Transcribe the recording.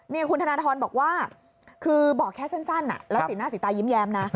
นี่คุณธนทรบอกว่าคือบอกแค่สั้นแล้วสีหน้าสีตายิ้มแย้มนะ